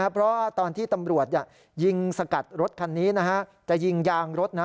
เพราะว่าตอนที่ตำรวจยิงสกัดรถคันนี้จะยิงยางรถนะ